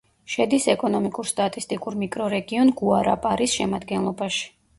შედის ეკონომიკურ-სტატისტიკურ მიკრორეგიონ გუარაპარის შემადგენლობაში.